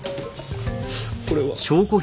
これは？